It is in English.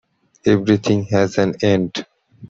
Everything has an end.